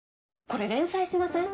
これ連載しません？